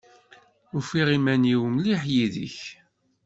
Ufiɣ uman-iw mliḥ yid-k.